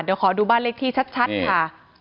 เดี๋ยวขอดูบ้านเลขที่ชัดค่ะ